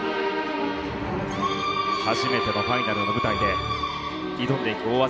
初めてのファイナルの舞台で挑んでいく大技。